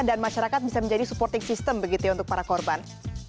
dan masyarakat bisa menjadi supporting system begitu ya untuk para korban